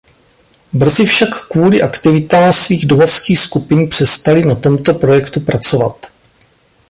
Brzy však kvůli aktivitám svých domovských skupin přestali na tomto projektu pracovat.